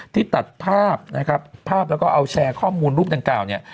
ตัดภาพนะครับภาพแล้วก็เอาแชร์ข้อมูลรูปดังกล่าวเนี่ย